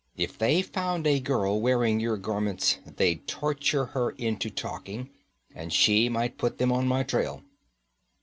If they found a girl wearing your garments, they'd torture her into talking, and she might put them on my trail.'